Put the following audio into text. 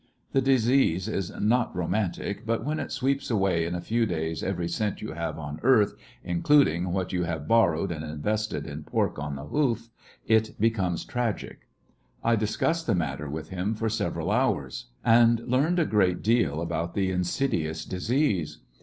The disease is not romantic, but when it sweeps away in a few days every cent you have on earth— including what you have bor rowed and invested in pork on the hoof— it becomes tragic. I discussed the matter with him for several hours, and learned a great deal about the insidious disease.